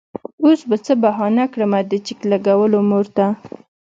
وس به څۀ بهانه کړمه د چک لګولو مور ته